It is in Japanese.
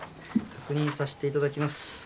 確認させていただきます。